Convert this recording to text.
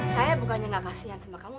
saya bukannya gak kasihan sama kamu